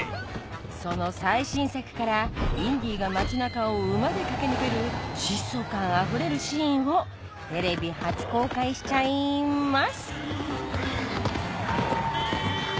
その最新作からインディが街中を馬で駆け抜ける疾走感あふれるシーンをテレビ初公開しちゃいます！